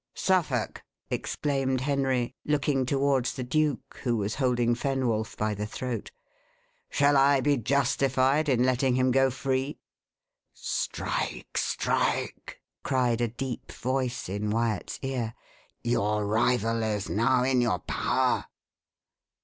"Suffolk," exclaimed Henry, looking towards the duke, who was holding Fenwolf by the throat, "shall I be justified in letting him go free? "Strike! strike!" cried a deep voice in Wyat's ear; "your rival is now in your power."